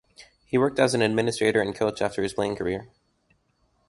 He worked as an administrator and coach after his playing career.